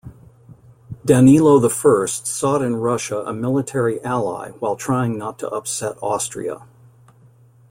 Danilo I sought in Russia a military ally while trying not to upset Austria.